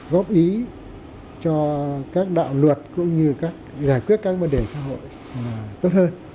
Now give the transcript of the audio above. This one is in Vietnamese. góp ý cho các đạo luật cũng như các giải quyết các vấn đề xã hội tốt hơn